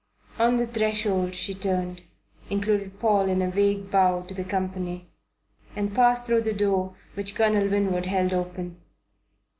On the threshold she turned, included Paul in a vague bow to the company, and passed through the door which Colonel Winwood held open.